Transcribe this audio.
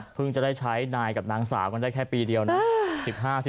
จะได้ใช้นายกับนางสาวกันได้แค่ปีเดียวนะ